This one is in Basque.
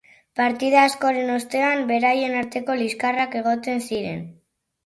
Partida askoren ostean beraien arteko liskarrak egoten ziren.